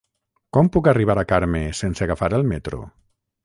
Com puc arribar a Carme sense agafar el metro?